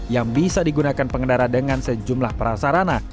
yang bisa digunakan pengendara dengan sejumlah prasarana